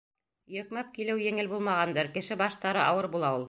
Йөкмәп килеү еңел булмағандыр: кеше баштары ауыр була ул.